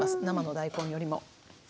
生の大根よりも。